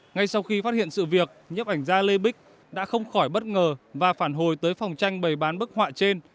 ngay sau khi phát hiện sự việc nhấp ảnh gia lê bích đã không khỏi bất ngờ và phản hồi tới phòng tranh bày bán bức họa trên